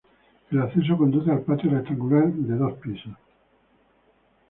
El acceso conduce al patio rectangular de dos pisos.